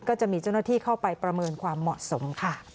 ก็จะมีเจ้าหน้าที่เข้าไปประเมินความเหมาะสมค่ะ